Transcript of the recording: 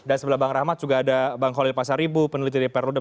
dan sebelah bang rahmat juga ada bang holil pasar ibu peneliti di perludem